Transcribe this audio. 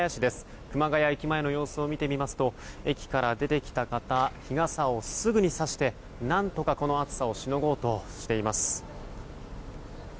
谷駅前の様子を見てみますと駅から出てきた方日傘をすぐにさして、何とかこの暑さをしのごうとしています。